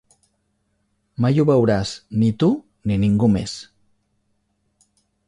Mai ho veuràs ni tu ni ningú més.